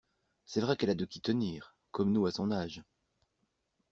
C’est vrai qu’elle a de qui tenir: comme nous à son âge!